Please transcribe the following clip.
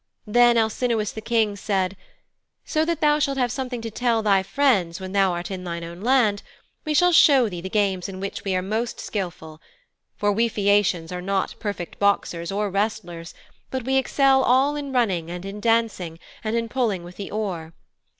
Then Alcinous the King said, 'So that thou shalt have something to tell thy friends when thou art in thine own hand, we shall show thee the games in which we are most skilful. For we Phæacians are not perfect boxers or wrestlers, but we excel all in running and in dancing and in pulling with the oar.